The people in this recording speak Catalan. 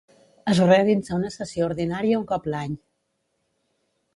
Es realitza una sessió ordinària un cop l'any.